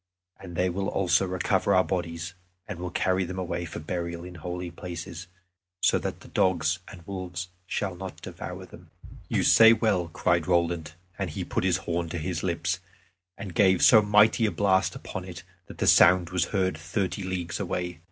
And they will also recover our bodies, and will carry them away for burial in holy places, so that the dogs and wolves shall not devour them." "You say well," cried Roland, and he put his horn to his lips, and gave so mighty a blast upon it, that the sound was heard thirty leagues away.